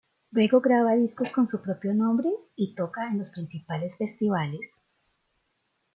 Luego graba discos con su propio nombre y toca en los principales festivales.